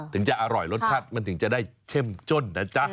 ถึงจะอร่อยรสชาติมันถึงจะได้เข้มจ้นนะจ๊ะ